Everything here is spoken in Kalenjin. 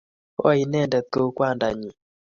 Koi inendet kou kwandanyin